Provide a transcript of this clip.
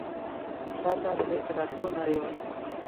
تاته د بیرته راتلو نارې وهې